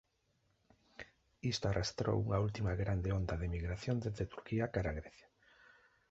Isto arrastrou unha última grande onda de migración dende Turquía cara Grecia.